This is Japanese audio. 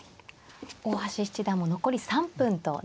大橋七段も残り３分となりました。